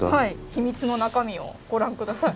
秘密の中身をご覧下さい。